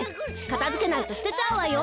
かたづけないとすてちゃうわよ。